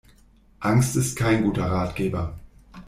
Angst ist kein guter Ratgeber.